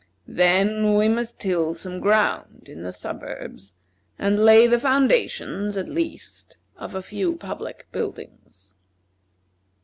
Then we must till some ground in the suburbs, and lay the foundations, at least, of a few public buildings."